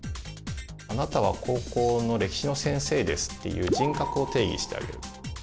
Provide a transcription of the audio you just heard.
「あなたは高校の歴史の先生です」っていう人格を定義してあげる。